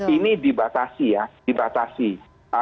ini dibatasi ya